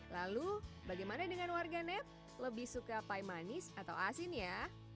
lalu bagaimana dengan warganet lebih suka pie manis atau asin ya